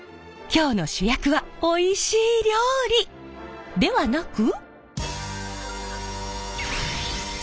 今日の主役はおいしい料理！ではなく。